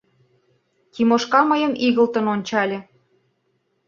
— Тимошка мыйым игылтын ончале.